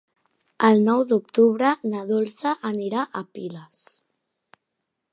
El nou d'octubre na Dolça anirà a Piles.